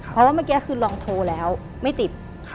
เพราะว่าเมื่อกี้คือลองโทรแล้วไม่ติด